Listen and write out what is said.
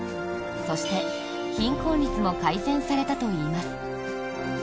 そして貧困率も改善されたといいます。